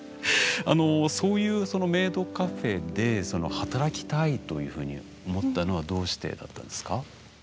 そういうメイドカフェで働きたいというふうに思ったのはどうしてだったんですか？